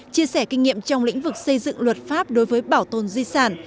chia sẻ kinh nghiệm trong lĩnh vực xây dựng luật pháp đối với bảo tồn di sản